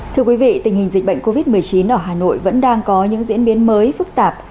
thưa quý vị tình hình dịch bệnh covid một mươi chín ở hà nội vẫn đang có những diễn biến mới phức tạp